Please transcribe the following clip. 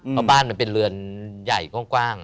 เพราะบ้านมันเป็นเรือนใหญ่กว้าง